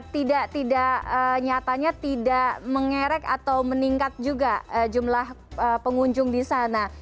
tidak nyatanya tidak mengerek atau meningkat juga jumlah pengunjung di sana